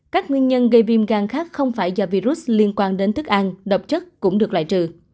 các nguyên nhân gây viêm gan khác không phải do virus liên quan đến thức ăn độc chất cũng được loại trừ